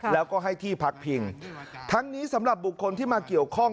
แล้วก็ให้ที่พักพิงทั้งนี้สำหรับบุคคลที่มาเกี่ยวข้อง